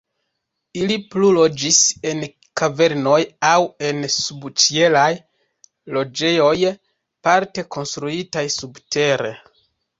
Ili plu loĝis en kavernoj aŭ en subĉielaj loĝejoj, parte konstruitaj subtere.